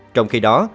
trong khi đó